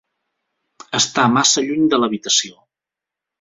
Està massa lluny de l'habitació.